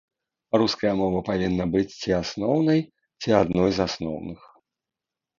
Руская мова павінна быць ці асноўнай, ці адной з асноўных.